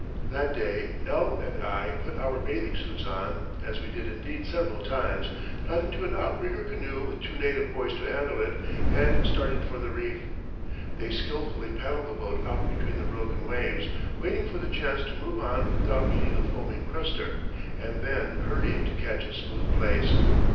That day L. and I put our bathing suits on, as we did indeed several times, got into an outrigger canoe with two native boys to handle it, and started for the reef. They skilfully paddled the boat out between the broken waves, waiting for the chance to move on without meeting a foaming crester, and then hurrying to catch a smooth place.